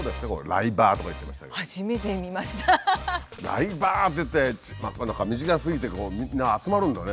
ライバーっていって何か身近すぎてみんな集まるんだね。